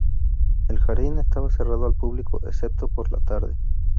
El jardín estaba cerrado al público, excepto por la tarde.